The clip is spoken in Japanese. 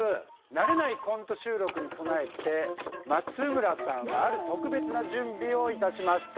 慣れないコント収録に備えて松村さんはある特別な準備をいたしました。